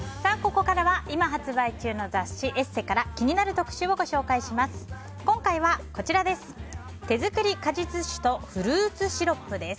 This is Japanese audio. ここからは今発売中の雑誌「ＥＳＳＥ」から気になる特集をご紹介します。